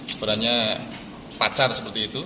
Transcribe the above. sebenarnya pacar seperti itu